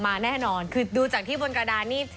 แน่นอนคือดูจากที่บนกระดานนี่